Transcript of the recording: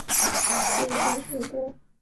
这次事故导致飞机受损严重因而报废。